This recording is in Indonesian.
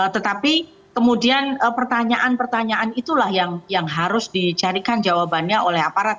tetapi kemudian pertanyaan pertanyaan itulah yang harus dicarikan jawabannya oleh aparat